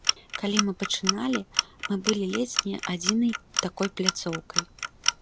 Калі мы пачыналі, мы былі ледзь не адзінай такой пляцоўкай.